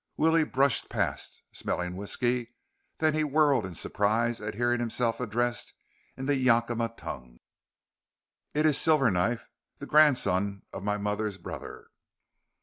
Willie brushed past, smelling whisky; then he whirled in surprise at hearing himself addressed in the Yakima tongue. "It is Silverknife, the grandson of my mother's brother."